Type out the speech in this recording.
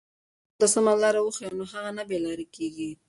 که ماشوم ته سمه لاره وښیو نو هغه نه بې لارې کېږي.